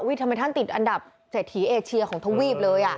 อุ๊ยทำไมท่านติดอันดับ๗ทีเอเชียของทวีปเลย